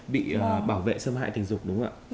bị bảo vệ xâm hại tình dục đúng không ạ